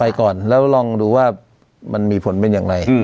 ก่อนแล้วลองดูว่ามันมีผลเป็นอย่างไร